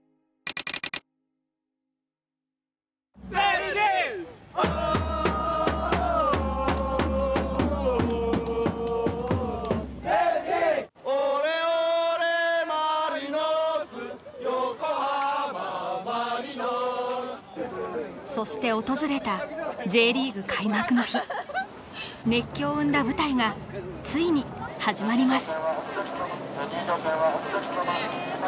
オレオレマリノス横浜マリノスそして訪れたＪリーグ開幕の日熱狂を生んだ舞台がついに始まります